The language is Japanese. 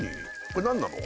これ何なの？